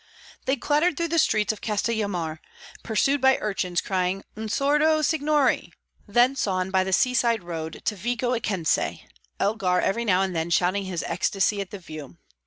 They clattered through the streets of Castellammare, pursued by urchins, crying, "Un sordo, signori!" Thence on by the seaside road to Vico Equense, Elgar every now and then shouting his ecstasy at the view.